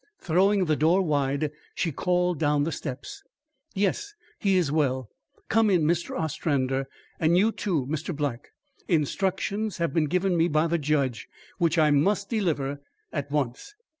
Throwing the door wide, she called down the steps: "Yes, he is well. Come in, Mr. Ostrander, and you, too, Mr. Black. Instructions have been given me by the judge, which I must deliver at once.